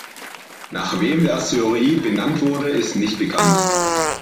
Nach wem der Asteroid benannt wurde ist nicht bekannt.